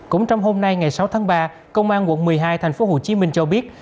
cũng trong hôm nay ngày sáu tháng ba công an quận một mươi hai thành phố hồ chí minh cho biết